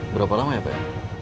berapa lama ya pak